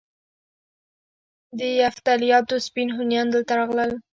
د یفتلیانو سپین هونیان دلته راغلل